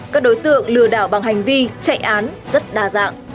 các đối tượng lừa đảo bằng hành vi chạy án rất đa dạng